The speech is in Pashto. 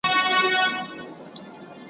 خان سهار وو نوی آس مډال ګټلی ,